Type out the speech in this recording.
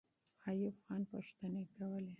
ایوب خان پوښتنې کولې.